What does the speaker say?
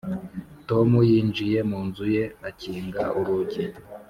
tom yinjiye mu nzu ye akinga urugi.